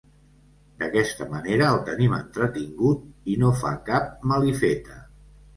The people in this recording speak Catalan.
D'aquesta manera el tenim entretingut i no fa cap malifeta.